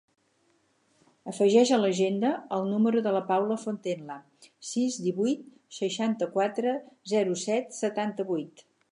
Afegeix a l'agenda el número de la Paula Fontenla: sis, divuit, seixanta-quatre, zero, set, setanta-vuit.